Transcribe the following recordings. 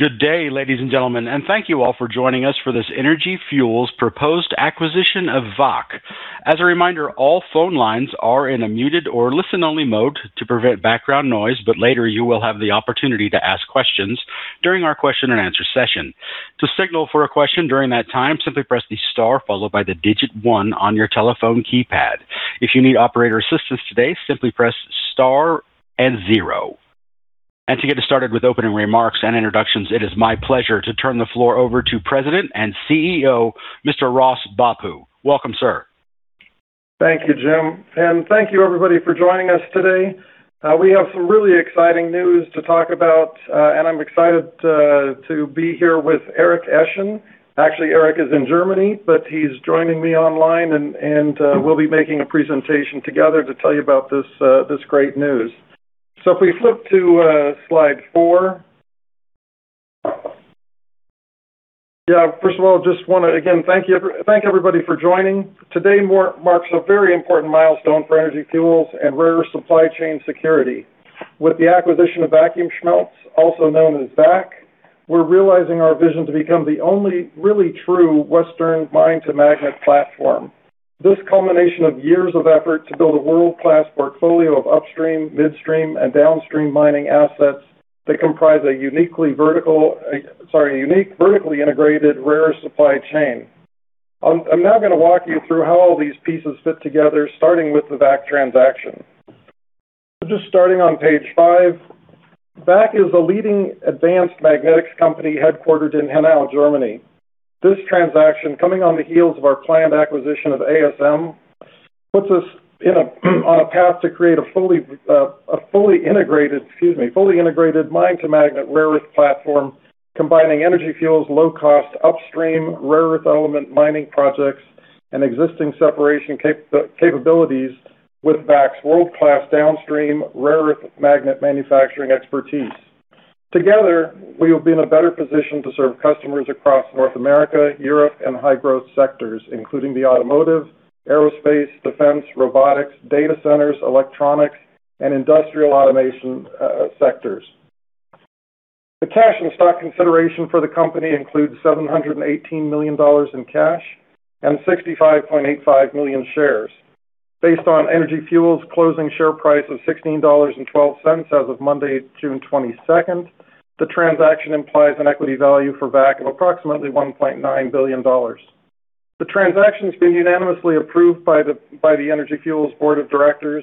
Good day, ladies and gentlemen, thank you all for joining us for this Energy Fuels proposed acquisition of VAC. As a reminder, all phone lines are in a muted or listen-only mode to prevent background noise, later you will have the opportunity to ask questions during our question and answer session. To signal for a question during that time, simply press the star followed by the digit one on your telephone keypad. If you need operator assistance today, simply press star and zero. To get us started with opening remarks and introductions, it is my pleasure to turn the floor over to President and CEO, Mr. Ross Bhappu. Welcome, sir. Thank you, Jim, thank you, everybody, for joining us today. We have some really exciting news to talk about, I'm excited to be here with Erik Eschen. Actually, Erik is in Germany, he's joining me online, we'll be making a presentation together to tell you about this great news. If we flip to slide four. First of all, just want to, again, thank everybody for joining. Today marks a very important milestone for Energy Fuels and rare earth supply chain security. With the acquisition of Vacuumschmelze, also known as VAC, we're realizing our vision to become the only really true Western mine-to-magnet platform. This culmination of years of effort to build a world-class portfolio of upstream, midstream, and downstream mining assets that comprise a unique, vertically integrated rare supply chain. I'm now going to walk you through how all these pieces fit together, starting with the VAC transaction. Just starting on page five. VAC is a leading advanced magnetics company headquartered in Hanau, Germany. This transaction, coming on the heels of our planned acquisition of ASM, puts us on a path to create a fully integrated mine-to-magnet rare earth platform, combining Energy Fuels' low-cost upstream rare earth element mining projects and existing separation capabilities with VAC's world-class downstream rare earth magnet manufacturing expertise. Together, we will be in a better position to serve customers across North AmErika, Europe, and high-growth sectors, including the automotive, aerospace, defense, robotics, data centers, electronics, and industrial automation sectors. The cash and stock consideration for the company includes $718 million in cash and 65.85 million shares. Based on Energy Fuels' closing share price of $16.12 as of Monday, June 22nd, the transaction implies an equity value for VAC of approximately $1.9 billion. The transaction's been unanimously approved by the Energy Fuels board of directors,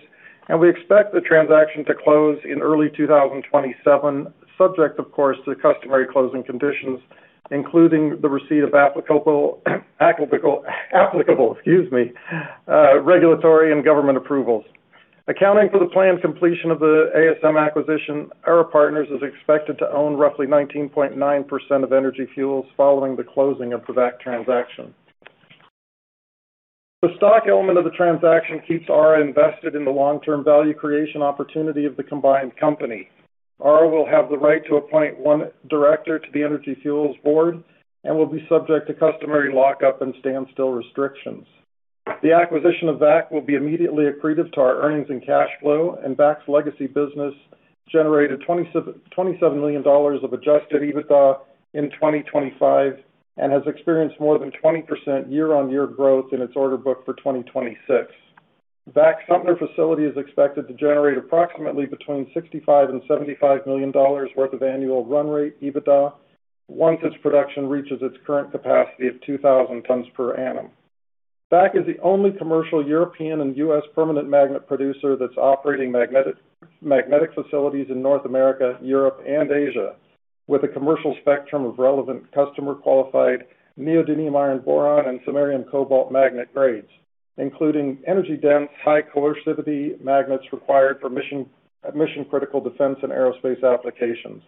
we expect the transaction to close in early 2027, subject, of course, to customary closing conditions, including the receipt of applicable, excuse me, regulatory and government approvals. Accounting for the planned completion of the ASM acquisition, Ara Partners is expected to own roughly 19.9% of Energy Fuels following the closing of the VAC transaction. The stock element of the transaction keeps ARA invested in the long-term value creation opportunity of the combined company. ARA will have the right to appoint one director to the Energy Fuels board and will be subject to customary lock-up and standstill restrictions. The acquisition of VAC will be immediately accretive to our earnings and cash flow, and VAC's legacy business generated $27 million of adjusted EBITDA in 2025 and has experienced more than 20% year-over-year growth in its order book for 2026. VAC Sumter Facility is expected to generate approximately between $65 million and $75 million worth of annual run rate EBITDA once its production reaches its current capacity of 2,000 tons per annum. VAC is the only commercial European and U.S. permanent magnet producer that is operating magnetic facilities in North AmErika, Europe, and Asia, with a commercial spectrum of relevant customer-qualified neodymium-iron-boron and samarium cobalt magnet grades, including energy-dense, high coercivity magnets required for mission-critical defense and aerospace applications.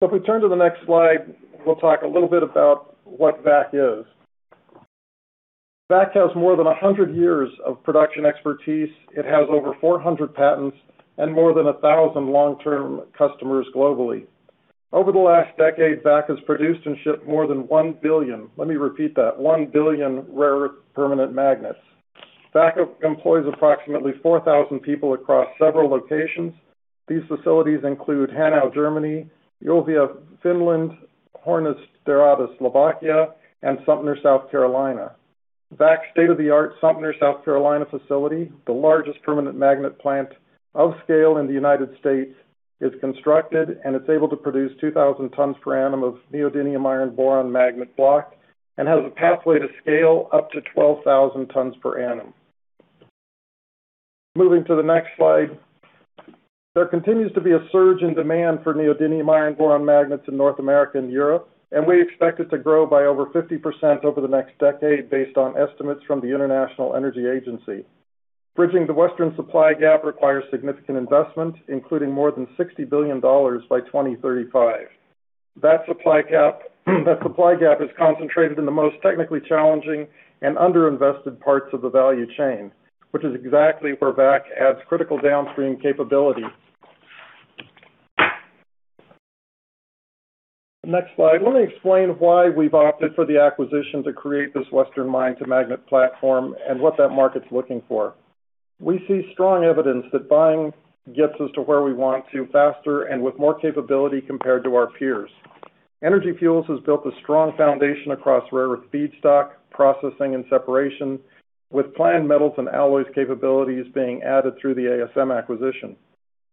If we turn to the next slide, we will talk a little bit about what VAC is. VAC has more than 100 years of production expertise. It has over 400 patents and more than 1,000 long-term customers globally. Over the last decade, VAC has produced and shipped more than 1 billion, let me repeat that, 1 billion rare earth permanent magnets. VAC employs approximately 4,000 people across several locations. These facilities include Hanau, Germany; Jyväskylä, Finland; Horná Streda, Slovakia; and Sumter, South Carolina. VAC's state-of-the-art Sumter, South Carolina facility, the largest permanent magnet plant of scale in the United States, is constructed, and it is able to produce 2,000 tons per annum of neodymium-iron-boron magnet block and has a pathway to scale up to 12,000 tons per annum. Moving to the next slide. There continues to be a surge in demand for neodymium-iron-boron magnets in North AmErika and Europe, and we expect it to grow by over 50% over the next decade based on estimates from the International Energy Agency. Bridging the Western supply gap requires significant investment, including more than $60 billion by 2035. That supply gap is concentrated in the most technically challenging and underinvested parts of the value chain, which is exactly where VAC adds critical downstream capability. Next slide. Let me explain why we have opted for the acquisition to create this Western mine-to-magnet platform and what that market is looking for. We see strong evidence that buying gets us to where we want to faster and with more capability compared to our peers. Energy Fuels has built a strong foundation across rare earth feedstock, processing, and separation, with planned metals and alloys capabilities being added through the ASM acquisition.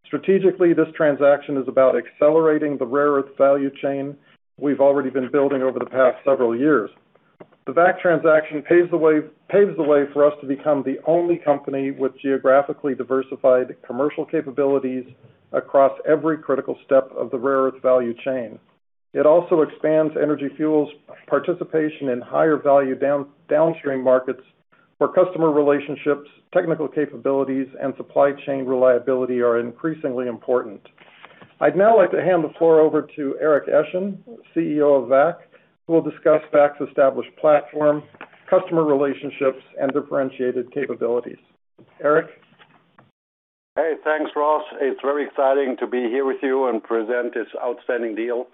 Strategically, this transaction is about accelerating the rare earth value chain we have already been building over the past several years. The VAC transaction paves the way for us to become the only company with geographically diversified commercial capabilities across every critical step of the rare earth value chain. It also expands Energy Fuels' participation in higher value downstream markets where customer relationships, technical capabilities, and supply chain reliability are increasingly important. I would now like to hand the floor over to Erik Eschen, CEO of VAC, who will discuss VAC's established platform, customer relationships, and differentiated capabilities. Erik? Hey, thanks, Ross. It's very exciting to be here with you and present this outstanding deal.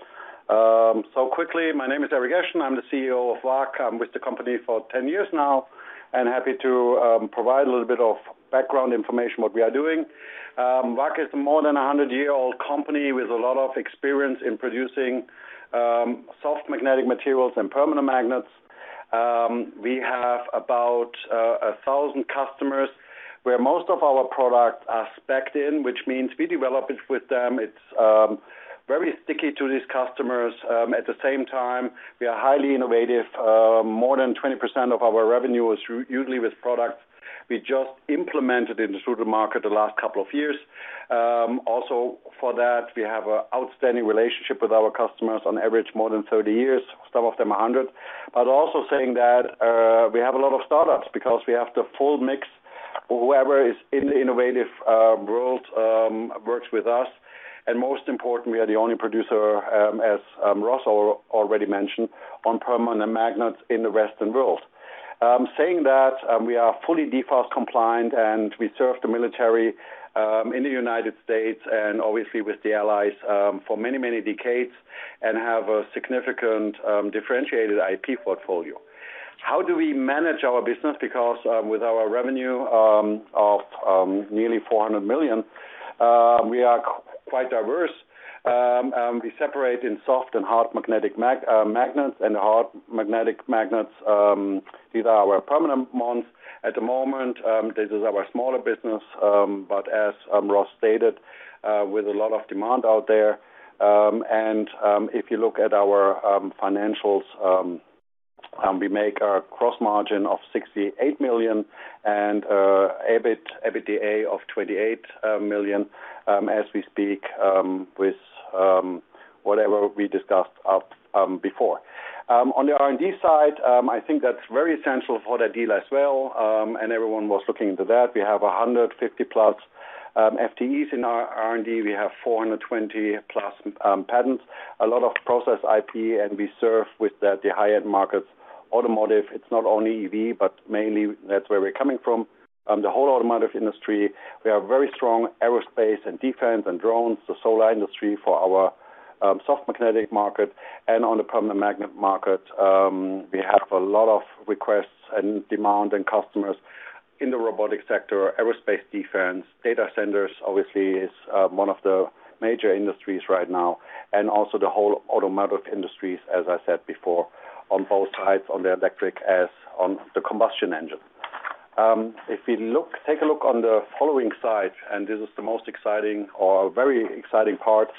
Quickly, my name is Erik Eschen. I'm the CEO of VAC. I'm with the company for 10 years now and happy to provide a little bit of background information what we are doing. VAC is more than 100-year-old company with a lot of experience in producing soft magnetic materials and permanent magnets. We have about 1,000 customers where most of our products are specced in, which means we develop it with them. It's very sticky to these customers. At the same time, we are highly innovative. More than 20% of our revenue is usually with products we just implemented into the market the last couple of years. Also, for that, we have an outstanding relationship with our customers, on average more than 30 years, some of them 100. Also saying that, we have a lot of startups because we have the full mix of whoever is in the innovative world works with us. Most important, we are the only producer, as Ross already mentioned, on permanent magnets in the Western world. Saying that, we are fully DFARS compliant and we serve the military in the U.S. and obviously with the allies for many, many decades and have a significant differentiated IP portfolio. How do we manage our business? Because with our revenue of nearly $400 million, we are quite diverse. We separate in soft and hard magnetic magnets, and hard magnetic magnets, these are our permanent ones. At the moment, this is our smaller business. As Ross stated, with a lot of demand out there. If you look at our financials, we make a gross margin of $68 million and EBITDA of $28 million as we speak, with whatever we discussed before. On the R&D side, I think that's very essential for the deal as well. Everyone was looking into that. We have 150+ FTEs in our R&D. We have 420+ patents. A lot of process IP, and we serve with that the high-end markets. Automotive, it's not only EV, but mainly that's where we're coming from. The whole automotive industry, we are very strong. Aerospace and defense and drones, the solar industry for our soft magnetic market. On the permanent magnet market, we have a lot of requests and demand and customers in the robotic sector, aerospace defense. Data centers, obviously, is one of the major industries right now, and also the whole automotive industries, as I said before, on both sides, on the electric, as on the combustion engine. If we take a look at the following slide, and this is the most exciting or very exciting part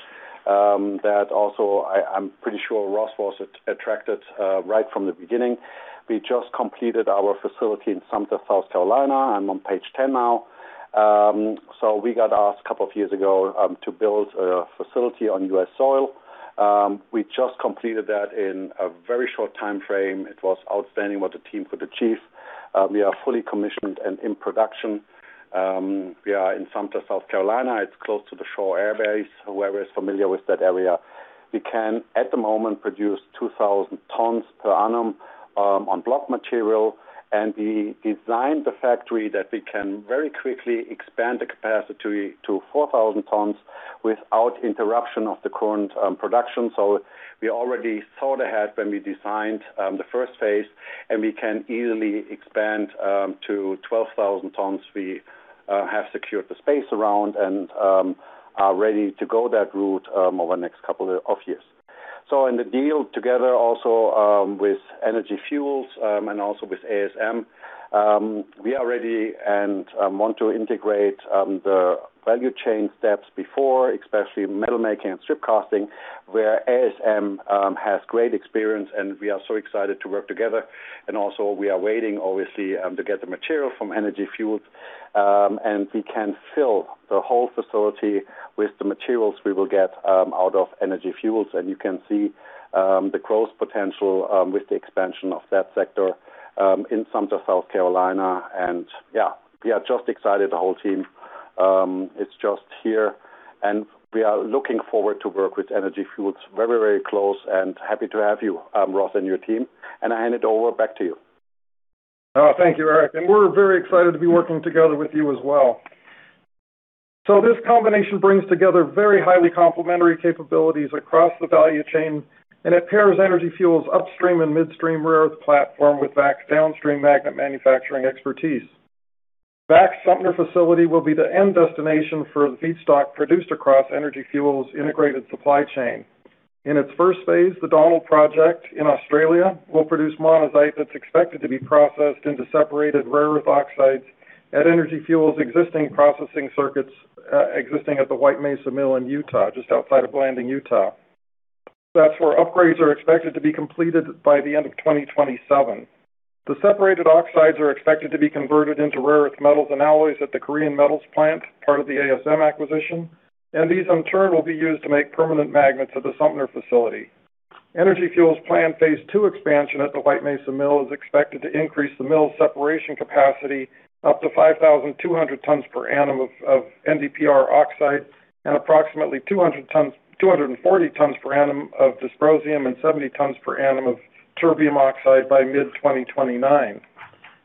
that also I'm pretty sure Ross was attracted right from the beginning. We just completed our facility in Sumter, South Carolina. I'm on page 10 now. We got asked a couple of years ago to build a facility on U.S. soil. We just completed that in a very short timeframe. It was outstanding what the team could achieve. We are fully commissioned and in production. We are in Sumter, South Carolina. It's close to the Shaw Air Base, whoever is familiar with that area. We can, at the moment, produce 2,000 tons per annum on block material. We designed the factory that we can very quickly expand the capacity to 4,000 tons without interruption of the current production. We already thought ahead when we designed the first phase, and we can easily expand to 12,000 tons. We have secured the space around and are ready to go that route over the next couple of years. In the deal together also with Energy Fuels and also with ASM, we are ready and want to integrate the value chain steps before, especially metal making and strip casting, where ASM has great experience and we are so excited to work together. We are waiting, obviously, to get the material from Energy Fuels. We can fill the whole facility with the materials we will get out of Energy Fuels. You can see the growth potential with the expansion of that sector in Sumter, South Carolina. Yeah, we are just excited, the whole team. It's just here, and we are looking forward to work with Energy Fuels very, very close and happy to have you, Ross, and your team. I hand it over back to you. Oh, thank you, Erik. We're very excited to be working together with you as well. This combination brings together very highly complementary capabilities across the value chain, and it pairs Energy Fuels' upstream and midstream rare earth platform with VAC's downstream magnet manufacturing expertise. VAC's Sumter Facility will be the end destination for the feedstock produced across Energy Fuels' integrated supply chain. In its first phase, The Donald Project in Australia will produce monazite that's expected to be processed into separated rare earth oxides at Energy Fuels' existing processing circuits, existing at the White Mesa Mill in Utah, just outside of Blanding, Utah. That's where upgrades are expected to be completed by the end of 2027. The separated oxides are expected to be converted into rare earth metals and alloys at the Korean Metals Plant, part of the ASM acquisition. These in turn, will be used to make permanent magnets at the Sumter Facility. Energy Fuels' planned phase two expansion at the White Mesa Mill is expected to increase the mill's separation capacity up to 5,200 tons per annum of NdPr oxide and approximately 240 tons per annum of dysprosium and 70 tons per annum of terbium oxide by mid-2029.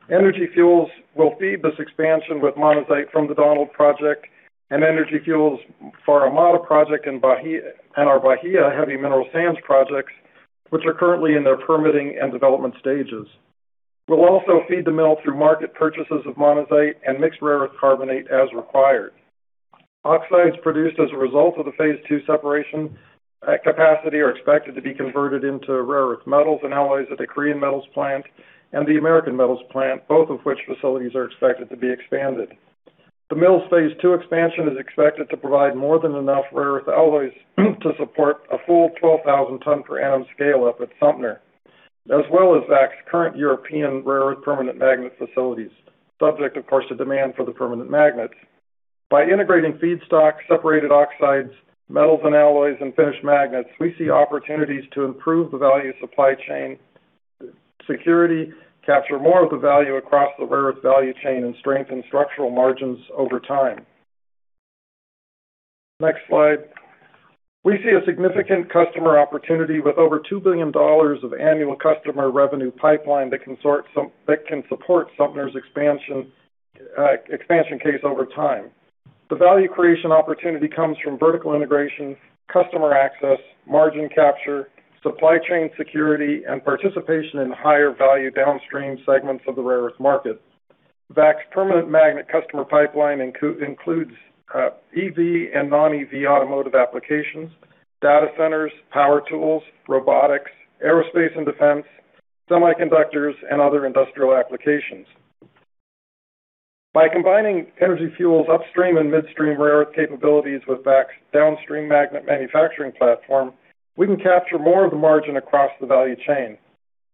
Energy Fuels will feed this expansion with monazite from The Donald Project and Energy Fuels' Vara Mada Project and our Bahia heavy mineral sands projects, which are currently in their permitting and development stages. We'll also feed the mill through market purchases of monazite and mixed rare earth carbonate as required. Oxides produced as a result of the phase two separation capacity are expected to be converted into rare earth metals and alloys at the Korean Metals Plant and the American Metals Plant, both of which facilities are expected to be expanded. The mill's phase two expansion is expected to provide more than enough rare earth alloys to support a full 12,000 tons per annum scale up at Sumter, as well as VAC's current European rare earth permanent magnet facilities, subject, of course, to demand for the permanent magnets. By integrating feedstock, separated oxides, metals and alloys, and finished magnets, we see opportunities to improve the value supply chain security, capture more of the value across the rare earth value chain, and strengthen structural margins over time. Next slide. We see a significant customer opportunity with over $2 billion of annual customer revenue pipeline that can support Sumter's expansion case over time. The value creation opportunity comes from vertical integration, customer access, margin capture, supply chain security, and participation in higher value downstream segments of the rare earth market. VAC's permanent magnet customer pipeline includes EV and non-EV automotive applications, data centers, power tools, robotics, aerospace and defense, semiconductors, and other industrial applications. By combining Energy Fuels' upstream and midstream rare earth capabilities with VAC's downstream magnet manufacturing platform, we can capture more of the margin across the value chain.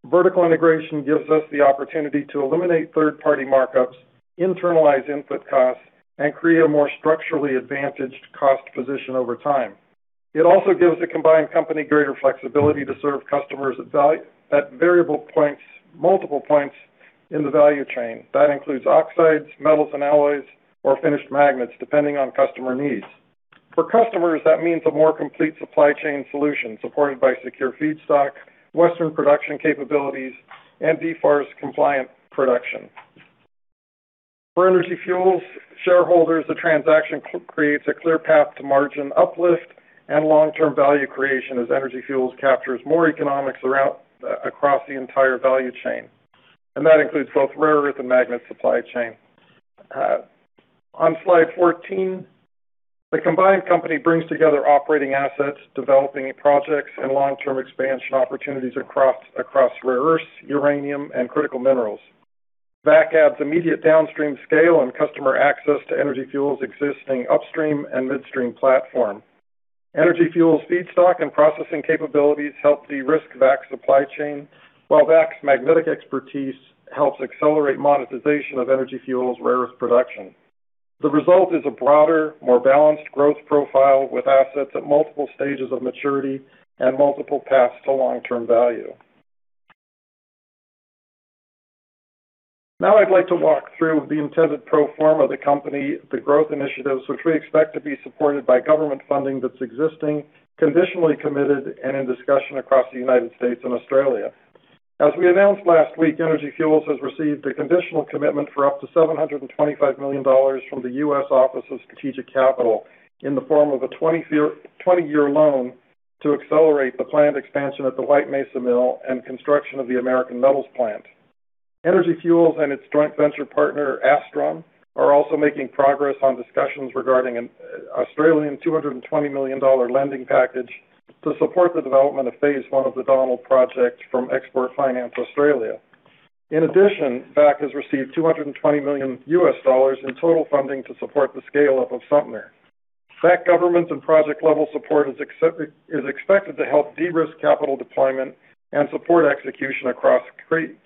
Vertical integration gives us the opportunity to eliminate third-party markups, internalize input costs, and create a more structurally advantaged cost position over time. It also gives the combined company greater flexibility to serve customers at variable points, multiple points in the value chain. That includes oxides, metals and alloys, or finished magnets, depending on customer needs. For customers, that means a more complete supply chain solution supported by secure feedstock, Western production capabilities, and DFARS compliant production. For Energy Fuels shareholders, the transaction creates a clear path to margin uplift and long-term value creation as Energy Fuels captures more economics across the entire value chain, and that includes both rare earth and magnet supply chain. On slide 14, the combined company brings together operating assets, developing projects, and long-term expansion opportunities across rare earths, uranium, and critical minerals. VAC adds immediate downstream scale and customer access to Energy Fuels' existing upstream and midstream platform. Energy Fuels' feedstock and processing capabilities help de-risk VAC's supply chain, while VAC's magnetic expertise helps accelerate monetization of Energy Fuels' rare earth production. The result is a broader, more balanced growth profile with assets at multiple stages of maturity and multiple paths to long-term value. Now I'd like to walk through the intended pro forma of the company, the growth initiatives, which we expect to be supported by government funding that's existing, conditionally committed, and in discussion across the U.S. and Australia. As we announced last week, Energy Fuels has received a conditional commitment for up to $725 million from the U.S. Office of Strategic Capital in the form of a 20-year loan to accelerate the planned expansion at the White Mesa Mill and construction of the American Metals Plant. Energy Fuels and its joint venture partner, Astron, are also making progress on discussions regarding an 220 million Australian dollars lending package to support the development of phase one of the Donald Project from Export Finance Australia. In addition, VAC has received $220 million in total funding to support the scale-up of Sumter. VAC government and project-level support is expected to help de-risk capital deployment and support execution across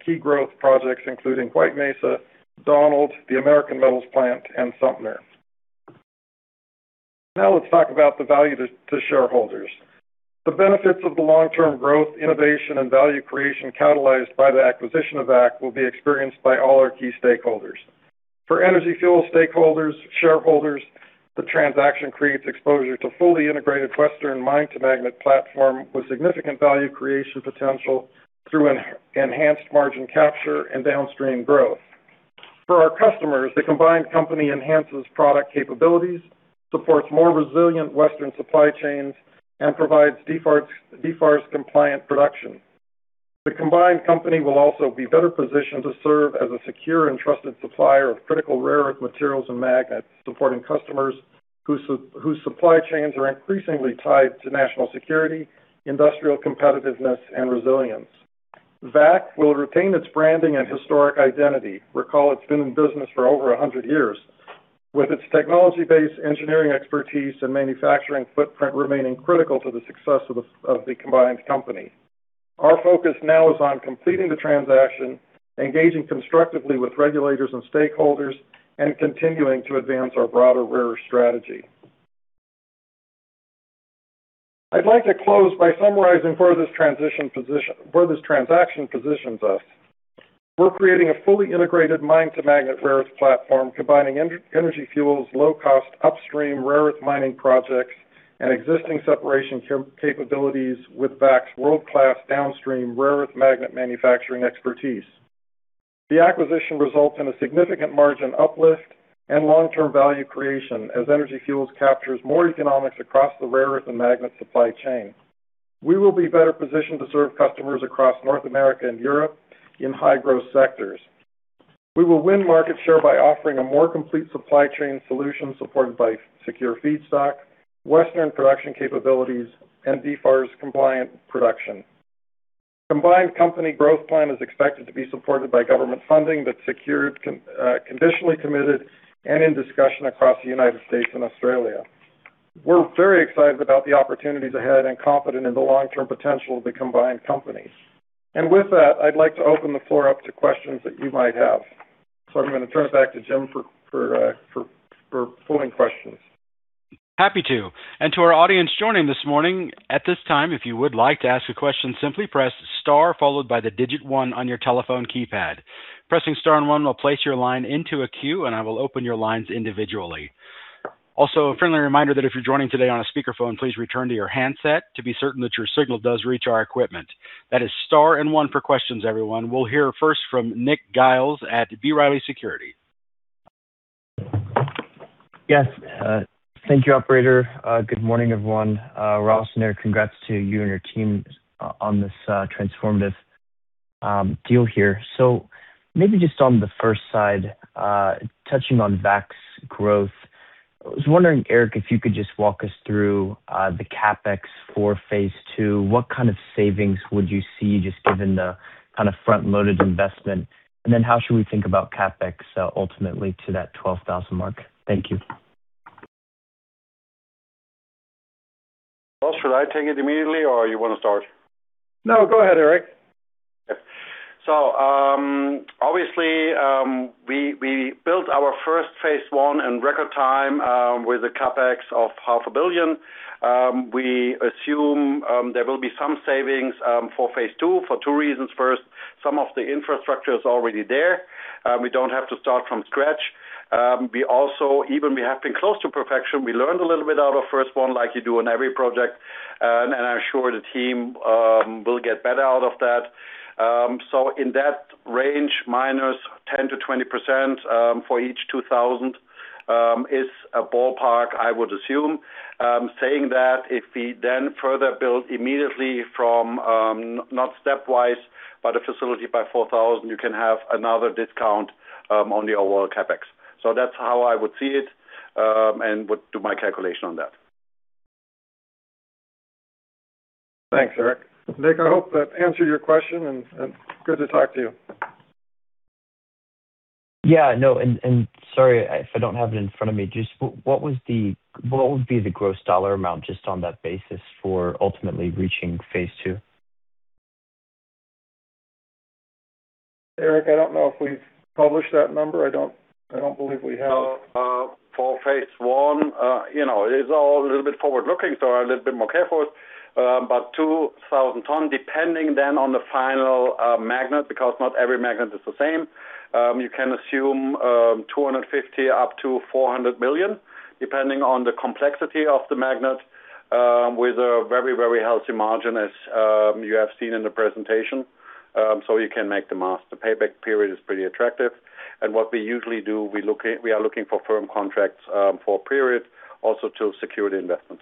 key growth projects, including White Mesa, Donald, the Korean Metals Plant, and Sumter. Now let's talk about the value to shareholders. The benefits of the long-term growth, innovation, and value creation catalyzed by the acquisition of VAC will be experienced by all our key stakeholders. For Energy Fuels stakeholders, shareholders, the transaction creates exposure to fully integrated Western mine-to-magnet platform with significant value creation potential through an enhanced margin capture and downstream growth. For our customers, the combined company enhances product capabilities, supports more resilient Western supply chains, and provides DFARS-compliant production. The combined company will also be better positioned to serve as a secure and trusted supplier of critical rare earth materials and magnets, supporting customers whose supply chains are increasingly tied to national security, industrial competitiveness, and resilience. VAC will retain its branding and historic identity. Recall, it's been in business for over 100 years. With its technology-based engineering expertise and manufacturing footprint remaining critical to the success of the combined company. Our focus now is on completing the transaction, engaging constructively with regulators and stakeholders, continuing to advance our broader, rarer strategy. I'd like to close by summarizing where this transaction positions us. We're creating a fully integrated mine-to-magnet rare earth platform, combining Energy Fuels' low-cost, upstream rare earth mining projects and existing separation capabilities with VAC's world-class downstream rare earth magnet manufacturing expertise. The acquisition results in a significant margin uplift and long-term value creation as Energy Fuels captures more economics across the rare earth and magnet supply chain. We will be better positioned to serve customers across North AmErika and Europe in high-growth sectors. We will win market share by offering a more complete supply chain solution supported by secure feedstock, Western production capabilities, and DFARS-compliant production. The combined company growth plan is expected to be supported by government funding that's secured, conditionally committed, and in discussion across the U.S. and Australia. We're very excited about the opportunities ahead and confident in the long-term potential of the combined company. With that, I'd like to open the floor up to questions that you might have. I'm going to turn it back to Jim for pulling questions. Happy to. To our audience joining this morning, at this time, if you would like to ask a question, simply press star followed by the digit one on your telephone keypad. Pressing star and one will place your line into a queue, and I will open your lines individually. Also, a friendly reminder that if you're joining today on a speakerphone, please return to your handset to be certain that your signal does reach our equipment. That is star and one for questions, everyone. We'll hear first from Nick Giles at B. Riley Securities, Yes. Thank you, operator. Good morning, everyone. Ross and Erik, congrats to you and your team on this transformative deal here. Maybe just on the first side, touching on VAC's growth, I was wondering, Erik, if you could just walk us through the CapEx for phase two, what kind of savings would you see just given the kind of front-loaded investment, and then how should we think about CapEx ultimately to that 12,000 mark? Thank you. Ross, should I take it immediately or you want to start? No, go ahead, Erik. Obviously, we built our phase one in record time with a CapEx of half a billion. We assume there will be some savings for phase two for two reasons. First, some of the infrastructure is already there. We don't have to start from scratch. We also, even we have been close to perfection, we learned a little bit out of phase 1 like you do on every project. I'm sure the team will get better out of that. In that range, -10% to -20% for each 2,000 is a ballpark, I would assume. Saying that, if we further build immediately from, not stepwise, but a facility by 4,000, you can have another discount on the overall CapEx. That's how I would see it, and would do my calculation on that. Thanks, Erik. Nick, I hope that answered your question, good to talk to you. Yeah, no, sorry if I don't have it in front of me. Just what would be the gross dollar amount just on that basis for ultimately reaching phase 2? Erik, I don't know if we've published that number. I don't believe we have. For phase one, it is all a little bit forward-looking, so a little bit more careful. 2,000 tons, depending then on the final magnet, because not every magnet is the same, you can assume $250 million-$400 million, depending on the complexity of the magnet, with a very healthy margin as you have seen in the presentation. You can make the math. The payback period is pretty attractive. What we usually do, we are looking for firm contracts for a period also to secure the investment.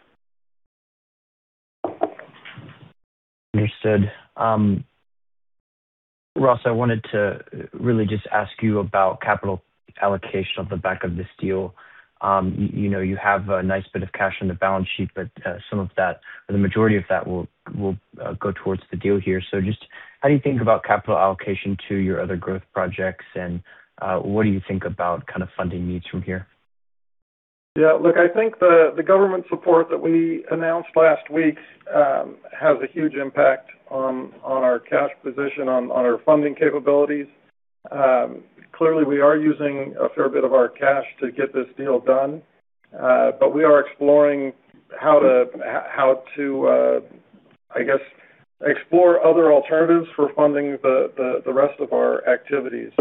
Understood. Ross, I wanted to really just ask you about capital allocation on the back of this deal. You have a nice bit of cash on the balance sheet, some of that, or the majority of that will go towards the deal here. Just how do you think about capital allocation to your other growth projects, and what do you think about funding needs from here? Look, I think the government support that we announced last week has a huge impact on our cash position, on our funding capabilities. Clearly, we are using a fair bit of our cash to get this deal done. We are exploring how to, I guess, explore other alternatives for funding the rest of our activities.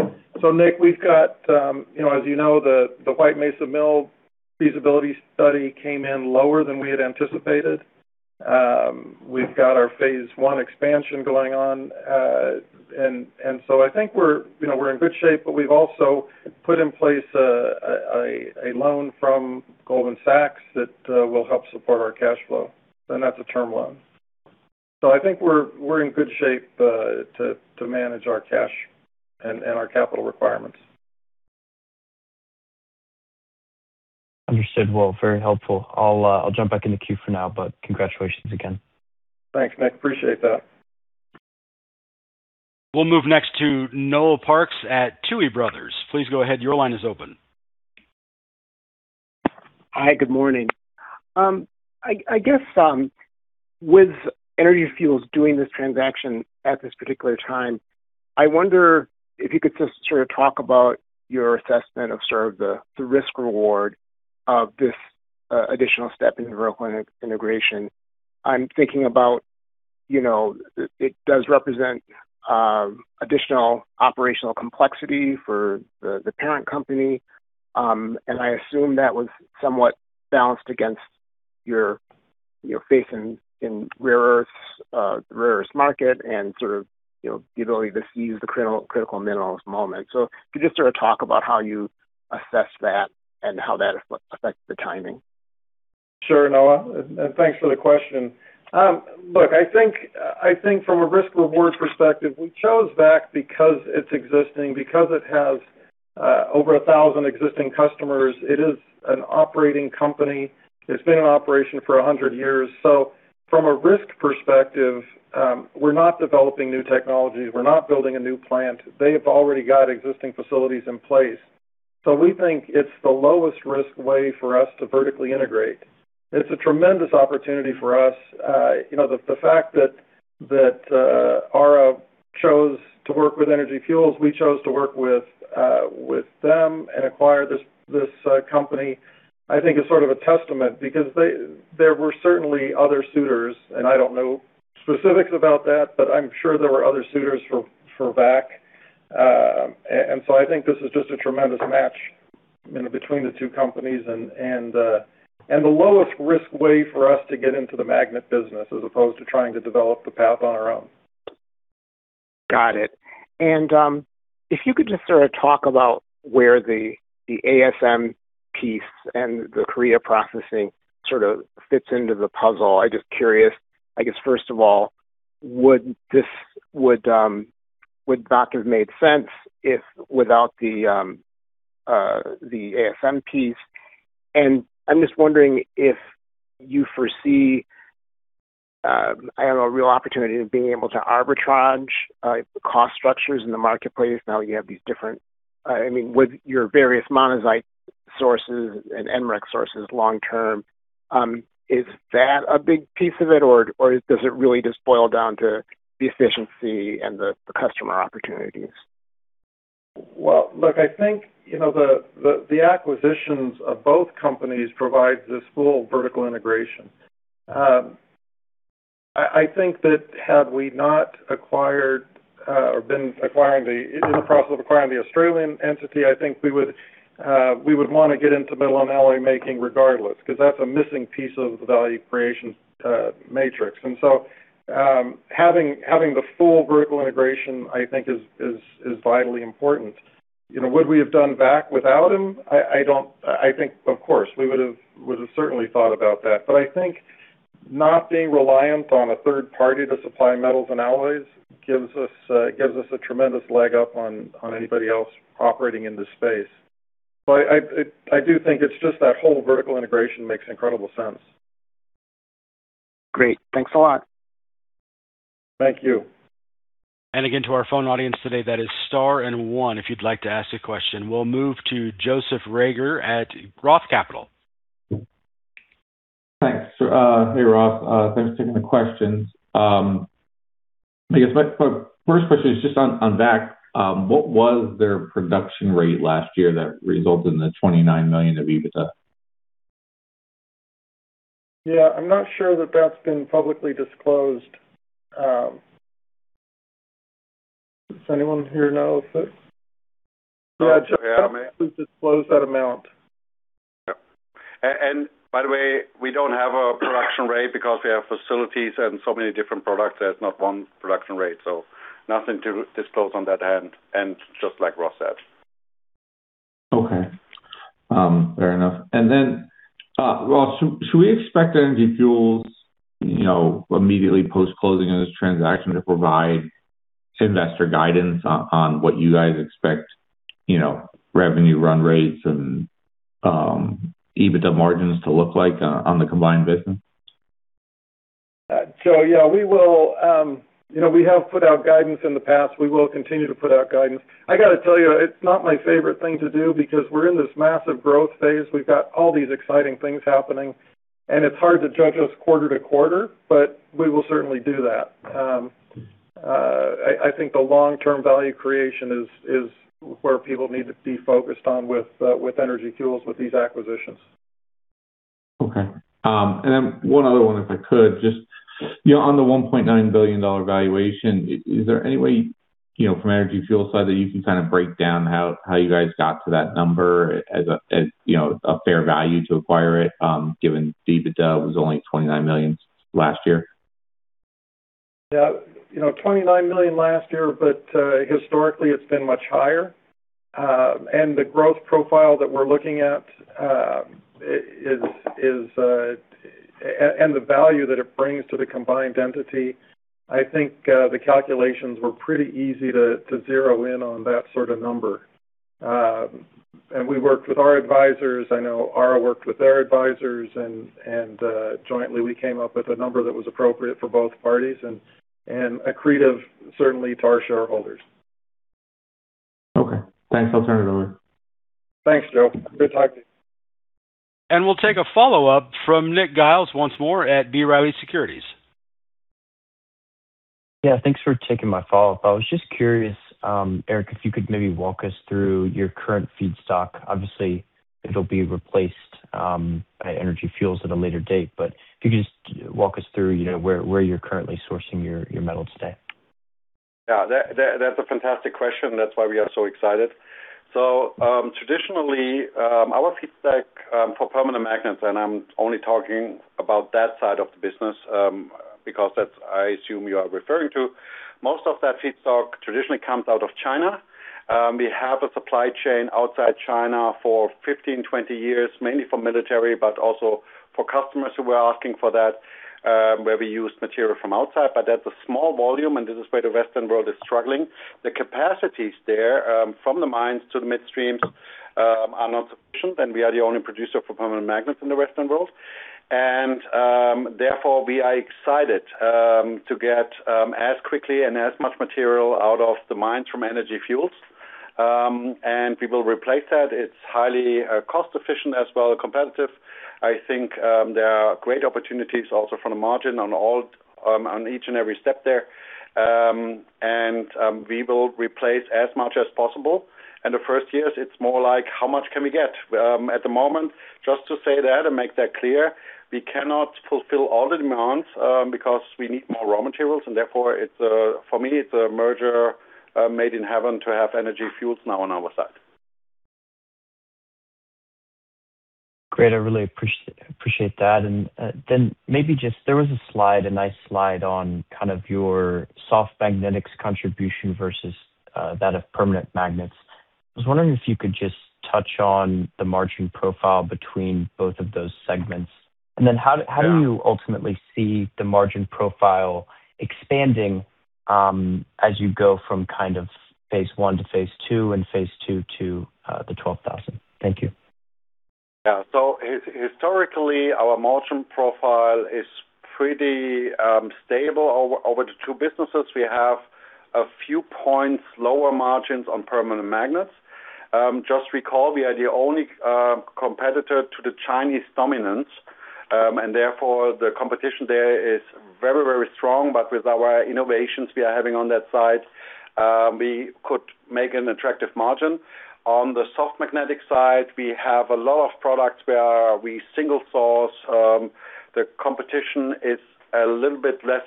Nick, we've got, as you know, the White Mesa mill feasibility study came in lower than we had anticipated. We've got our phase one expansion going on. I think we're in good shape, we've also put in place a loan from Goldman Sachs that will help support our cash flow, and that's a term loan. I think we're in good shape to manage our cash and our capital requirements. Understood. Well, very helpful. I'll jump back in the queue for now, congratulations again. Thanks, Nick. Appreciate that. We'll move next to Noel Parks at Tuohy Brothers. Please go ahead. Your line is open. Hi, good morning. I guess with Energy Fuels doing this transaction at this particular time, I wonder if you could just sort of talk about your assessment of sort of the risk-reward of this additional step in vertical integration. I'm thinking about, it does represent additional operational complexity for the parent company. I assume that was somewhat balanced against your faith in rare earths market and sort of the ability to seize the critical minerals moment. If you could just sort of talk about how you assess that and how that affects the timing. Sure, Noel, and thanks for the question. Look, I think from a risk-reward perspective, we chose VAC because it's existing, because it has over 1,000 existing customers. It is an operating company. It's been in operation for 100 years. From a risk perspective, we're not developing new technologies. We're not building a new plant. They've already got existing facilities in place. We think it's the lowest risk way for us to vertically integrate. It's a tremendous opportunity for us. The fact that Ara chose to work with Energy Fuels, we chose to work with them and acquire this company, I think is sort of a testament because there were certainly other suitors. I don't know specifics about that, but I'm sure there were other suitors for VAC. I think this is just a tremendous match between the two companies and the lowest risk way for us to get into the magnet business as opposed to trying to develop the path on our own. Got it. If you could just sort of talk about where the ASM piece and the Korea processing sort of fits into the puzzle. I'm just curious, I guess, first of all, would VAC have made sense without the ASM piece? I'm just wondering if you foresee a real opportunity of being able to arbitrage cost structures in the marketplace now that you have these different-- with your various monazite sources and rare earth sources long term. Is that a big piece of it, or does it really just boil down to the efficiency and the customer opportunities? Well, look, I think, the acquisitions of both companies provide this full vertical integration. I think that had we not acquired or been in the process of acquiring the Australian entity, I think we would want to get into metal and alloy making regardless, because that's a missing piece of the value creation matrix. Having the full vertical integration, I think, is vitally important. Would we have done VAC without him? I think of course, we would have certainly thought about that. I think not being reliant on a third party to supply metals and alloys gives us a tremendous leg up on anybody else operating in this space. I do think it's just that whole vertical integration makes incredible sense. Great. Thanks a lot. Thank you. Again, to our phone audience today, that is star and one, if you'd like to ask a question. We'll move to Joseph Reagor at Roth Capital. Thanks. Hey, Ross. Thanks for taking the questions. I guess my first question is just on VAC. What was their production rate last year that resulted in the $29 million of EBITDA? Yeah, I'm not sure that's been publicly disclosed. Does anyone here know? No. We haven't disclosed that amount. Yeah. By the way, we don't have a production rate because we have facilities and so many different products. There's not one production rate, so nothing to disclose on that end. Just like Ross said. Okay. Fair enough. Then, Ross, should we expect Energy Fuels immediately post-closing on this transaction to provide investor guidance on what you guys expect revenue run rates and EBITDA margins to look like on the combined business? Yeah, we have put out guidance in the past. We will continue to put out guidance. I got to tell you, it's not my favorite thing to do because we're in this massive growth phase. We've got all these exciting things happening, and it's hard to judge us quarter to quarter, but we will certainly do that. I think the long-term value creation is where people need to be focused on with Energy Fuels with these acquisitions. Okay. One other one, if I could. Just on the $1.9 billion valuation, is there any way from Energy Fuels side that you can kind of break down how you guys got to that number as a fair value to acquire it, given EBITDA was only $29 million last year? Yeah. $29 million last year, historically it's been much higher. The growth profile that we're looking at, and the value that it brings to the combined entity, I think, the calculations were pretty easy to zero in on that sort of number. We worked with our advisors, I know Ara worked with their advisors, jointly we came up with a number that was appropriate for both parties and accretive, certainly, to our shareholders. Okay. Thanks. I'll turn it over. Thanks, Joe. Good talking to you. We'll take a follow-up from Nick Giles once more at B. Riley Securities. Yeah. Thanks for taking my follow-up. I was just curious, Erik, if you could maybe walk us through your current feedstock. Obviously, it'll be replaced by Energy Fuels at a later date, but if you could just walk us through where you're currently sourcing your metal today. Yeah. That's a fantastic question. That's why we are so excited. Traditionally, our feedstock for permanent magnets, and I'm only talking about that side of the business, because that's I assume you are referring to. Most of that feedstock traditionally comes out of China. We have a supply chain outside China for 15, 20 years, mainly for military, but also for customers who were asking for that, where we use material from outside. That's a small volume, and this is where the Western world is struggling. The capacities there, from the mines to the midstreams, are not sufficient, and we are the only producer for permanent magnets in the Western world. Therefore, we are excited to get as quickly and as much material out of the mines from Energy Fuels. We will replace that. It's highly cost-efficient as well as competitive. I think there are great opportunities also from the margin on each and every step there. We will replace as much as possible. In the first years, it's more like how much can we get? At the moment, just to say that and make that clear, we cannot fulfill all the demands, because we need more raw materials, and therefore, for me, it's a merger made in heaven to have Energy Fuels now on our side. Great. I really appreciate that. Maybe just, there was a slide, a nice slide on kind of your soft magnetics contribution versus that of permanent magnets. I was wondering if you could just touch on the margin profile between both of those segments. How do you ultimately see the margin profile expanding as you go from kind of phase one to phase two and phase two to the 12,000? Thank you. Yeah. Historically, our margin profile is pretty stable over the two businesses. We have a few points lower margins on permanent magnets. Just recall, we are the only competitor to the Chinese dominance, and therefore, the competition there is very, very strong, but with our innovations we are having on that side, we could make an an attractive margin. On the soft magnetic side, we have a lot of products where we single source. The competition is a little bit less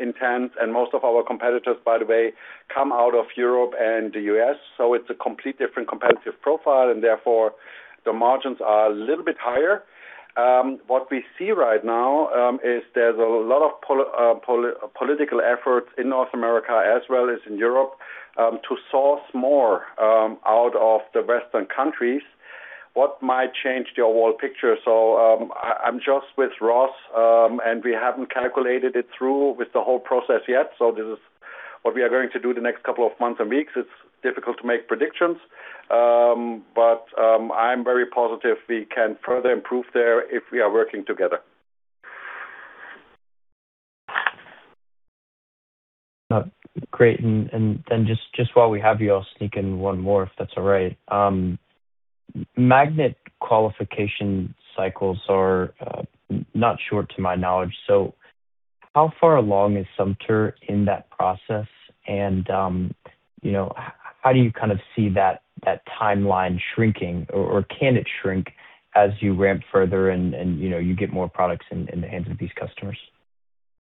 intense, and most of our competitors, by the way, come out of Europe and the U.S., so it's a complete different competitive profile and therefore the margins are a little bit higher. What we see right now is, there's a lot of political efforts in North AmErika, as well as in Europe to Source more out of the western countries. What might change the overall picture? I'm just with Ross, we haven't calculated it through with the whole process yet, this is what we are going to do the next couple of months and weeks. It's difficult to make predictions. I'm very positive we can further improve there if we are working together. Great. Just while we have you, I'll sneak in one more, if that's all right. Magnet qualification cycles are not short to my knowledge. How far along is Sumter in that process? How do you kind of see that timeline shrinking or can it shrink as you ramp further and you get more products in the hands of these customers?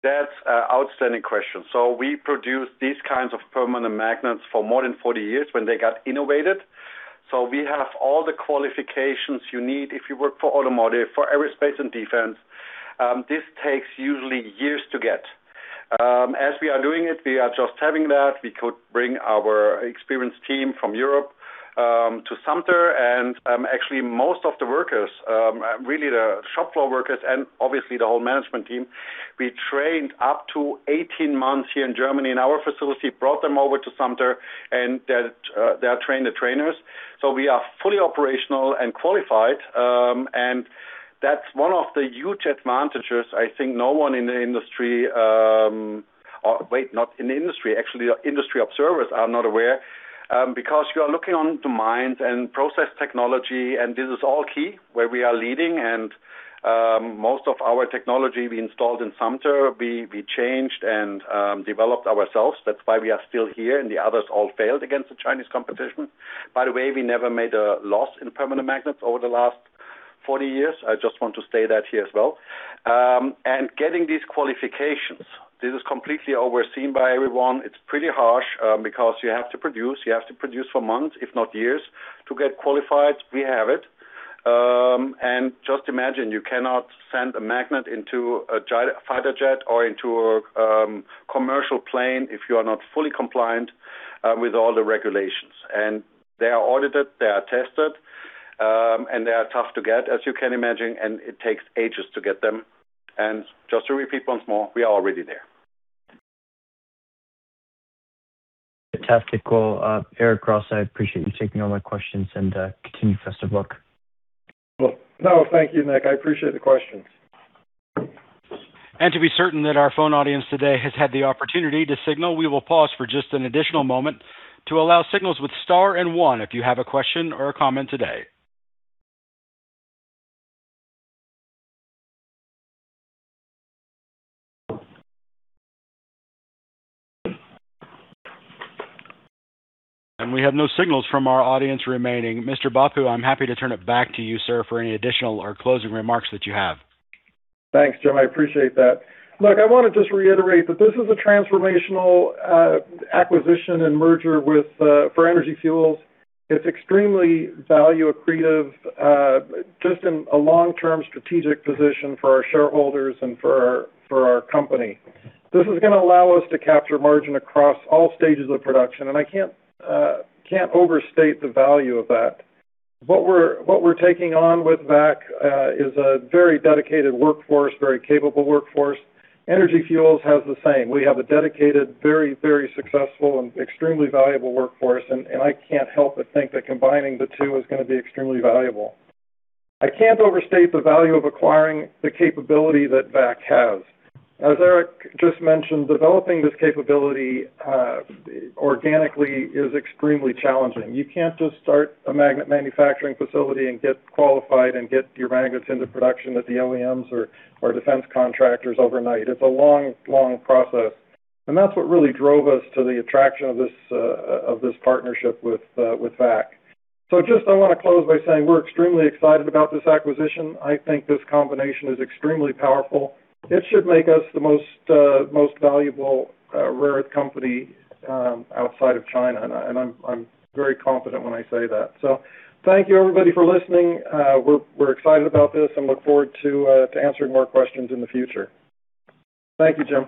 That's an outstanding question. We produce these kinds of permanent magnets for more than 40 years when they got innovated. We have all the qualifications you need if you work for automotive, for aerospace and defense. This takes usually years to get. As we are doing it, we are just having that. We could bring our experienced team from Europe to Sumter and actually most of the workers, really the shop floor workers and obviously the whole management team, we trained up to 18 months here in Germany in our facility, brought them over to Sumter, and they are train the trainers. We are fully operational and qualified. That's one of the huge advantages. I think no one in the industry. Wait, not in the industry. Actually, industry observers are not aware. You are looking on the mines and process technology, this is all key where we are leading and most of our technology we installed in Sumter, we changed and developed ourselves. That's why we are still here and the others all failed against the Chinese competition. By the way, we never made a loss in permanent magnets over the last 40 years. I just want to state that here as well. Getting these qualifications, this is completely overseen by everyone. It's pretty harsh, because you have to produce for months, if not years, to get qualified. We have it. Just imagine, you cannot send a magnet into a fighter jet or into a commercial plane if you are not fully compliant with all the regulations. They are audited, they are tested, they are tough to get, as you can imagine, it takes ages to get them. Just to repeat once more, we are already there. Fantastic call. Erik, Ross, I appreciate you taking all my questions, continue. Best of luck. Thank you, Nick. I appreciate the questions. To be certain that our phone audience today has had the opportunity to signal, we will pause for just an additional moment to allow signals with star and one if you have a question or a comment today. We have no signals from our audience remaining. Mr. Bhappu, I'm happy to turn it back to you, sir, for any additional or closing remarks that you have. Thanks, Jim. I appreciate that. Look, I want to just reiterate that this is a transformational acquisition and merger for Energy Fuels. It's extremely value accretive, just in a long-term strategic position for our shareholders and for our company. This is going to allow us to capture margin across all stages of production, and I can't overstate the value of that. What we're taking on with VAC is a very dedicated workforce, very capable workforce. Energy Fuels has the same. We have a dedicated, very successful and extremely valuable workforce, and I can't help but think that combining the two is going to be extremely valuable. I can't overstate the value of acquiring the capability that VAC has. As Erik just mentioned, developing this capability organically is extremely challenging. You can't just start a magnet manufacturing facility and get qualified and get your magnets into production at the OEMs or defense contractors overnight. It's a long process. That's what really drove us to the attraction of this partnership with VAC. Just, I want to close by saying we're extremely excited about this acquisition. I think this combination is extremely powerful. It should make us the most valuable rare earth company outside of China, and I'm very confident when I say that. Thank you everybody for listening. We're excited about this and look forward to answering more questions in the future. Thank you, Jim.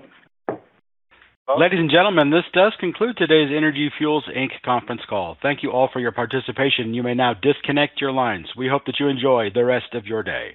Ladies and gentlemen, this does conclude today's Energy Fuels Inc. conference call. Thank you all for your participation. You may now disconnect your lines. We hope that you enjoy the rest of your day.